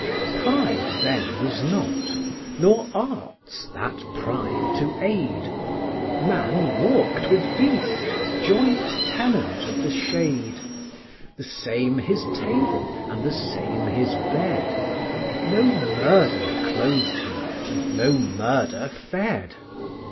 Pride then was not; nor arts, that pride to aid; Man walked with beast, joint tenant of the shade; The same his table, and the same his bed; No murder clothed him, and no murder fed.